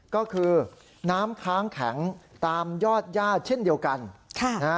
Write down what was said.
ก็คือน้ำค้างแข็งตามยอดย่าเช่นเดียวกันค่ะนะฮะ